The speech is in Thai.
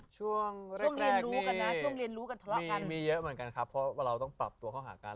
ช่วงเล็กแรกนี้มีเยอะเหมือนกันครับครับแต่เราต้องปรับตัวเข้าหากัน